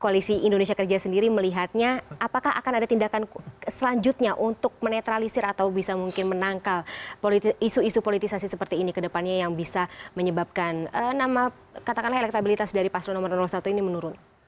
koalisi indonesia kerja sendiri melihatnya apakah akan ada tindakan selanjutnya untuk menetralisir atau bisa mungkin menangkal isu isu politisasi seperti ini ke depannya yang bisa menyebabkan katakanlah elektabilitas dari pasro nomor satu ini menurun